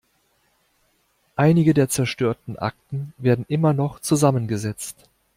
Einige der zerstörten Akten werden immer noch zusammengesetzt.